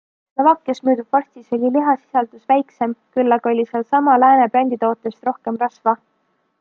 Slovakkias müüdud vorstis oli lihasisaldus väiksem, küll aga oli seal sama Lääne bränditootest rohkem rasva.